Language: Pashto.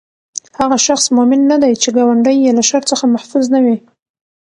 هغه شخص مؤمن نه دی، چې ګاونډی ئي له شر څخه محفوظ نه وي